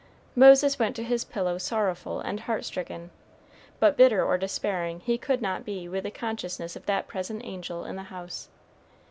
Moses went to his pillow sorrowful and heart stricken, but bitter or despairing he could not be with the consciousness of that present angel in the house.